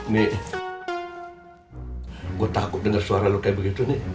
nih gue takut denger suara lo kayak begitu nih